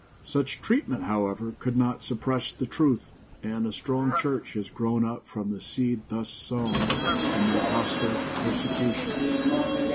Such treatment, however, could not suppress the truth, and a strong church has grown up from the seed thus sown amid hostile persecution.